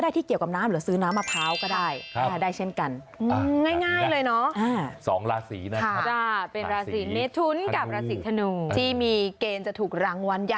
เดี๋ยวมาลุ้นกันนะคะ